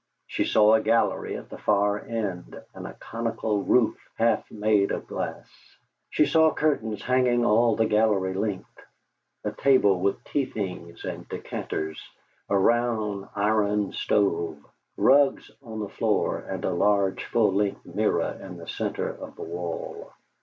She saw a gallery at the far end, and a conical roof half made of glass. She saw curtains hanging all the gallery length, a table with tea things and decanters, a round iron stove, rugs on the floor, and a large full length mirror in the centre of the wall.